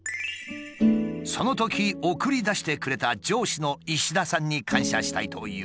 そのとき送り出してくれた上司の石田さんに感謝したいという。